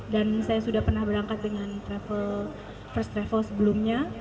dan saya sudah pernah berangkat dengan travel first travel sebelumnya